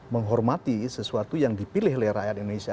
menghormati sesuatu yang dipilih oleh rakyat indonesia